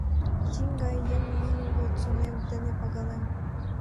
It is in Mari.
— Тинь гай еҥым минь уло цонем дене пагалем.